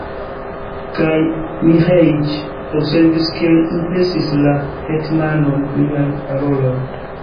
Kaj Miĥeiĉ observis, kiel impresis la hetmanon liaj paroloj.